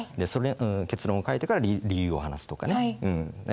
結論を書いてから理由を話すとかね。